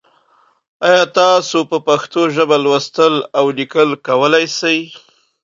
ایا تاسو په پښتو ژبه لوستل او لیکل کولای سئ؟